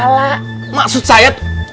alah maksud saya